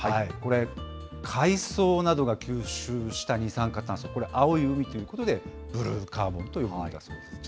これ、海草などが吸収した二酸化炭素、これ、青い海ということでブルーカーボンと呼ぶんだそうです。